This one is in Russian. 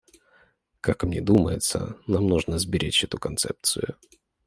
Как мне думается, нам нужно сберечь эту концепцию.